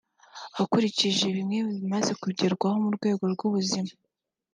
Akurikije bimwe mu bimaze kugerwaho mu rwego rw’ubuzima